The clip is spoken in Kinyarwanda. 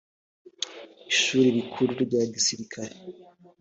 ishuri rikuru rya gisirikare